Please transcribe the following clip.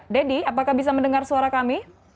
dedy apakah bisa mendengar suara kami